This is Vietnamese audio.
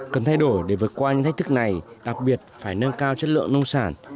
cần thay đổi để vượt qua những thách thức này đặc biệt phải nâng cao chất lượng nông sản